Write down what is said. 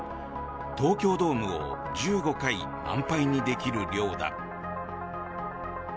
東京ドームを１５回満杯にできる量だ。